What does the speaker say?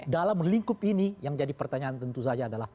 dalam lingkup ini yang jadi pertanyaan tentu saja adalah